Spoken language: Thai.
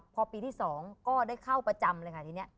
พอปีที่๒ก็ได้เข้าประจำเลยค่ะทีนี้